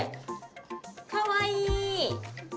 かわいい。